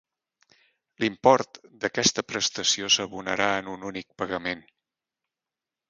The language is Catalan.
L'import d'aquesta prestació s'abonarà en un únic pagament.